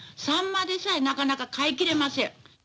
サンマでさえなかなか買いきれません。